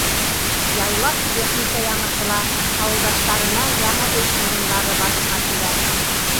Яйлап техника яңыртыла, ауылдаштарына яңы эш урындары барлыҡҡа килә.